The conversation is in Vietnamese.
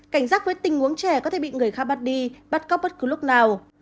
cảnh giác với tình huống trẻ có thể bị người khác bắt đi bắt cóc bất cứ lúc nào